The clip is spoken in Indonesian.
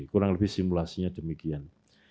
kurang lebih simulasinya demikian